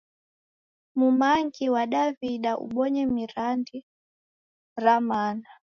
Mumangi wa Daw'ida ubonye miradi ra maana